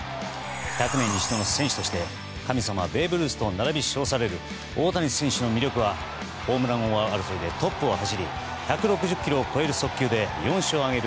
１００年に一度の選手として神様ベーブ・ルースと並び称される大谷選手の魅力はホームラン王争いでトップを走り１６０キロを超える速球で４勝を挙げる